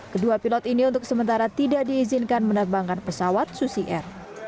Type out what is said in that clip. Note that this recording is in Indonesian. kedua pilot ini untuk sementara tidak diizinkan menerbangkan pesawat susi air